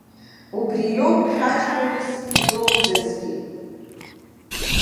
Убри иоуп шәаџьҳәаҩыс илоуӡазгьы.